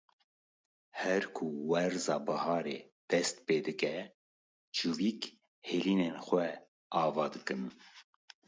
Her ku werza biharê dest pê dike, çivîk hêlînên xwe ava dikin.